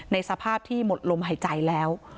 สภาพที่หมดลมหายใจแล้ว